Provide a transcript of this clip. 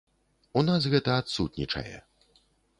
У нас гэта адсутнічае.